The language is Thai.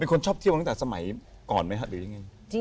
คนชอบเที่ยวตั้งแต่สมัยก่อนไหมครับหรือยังไง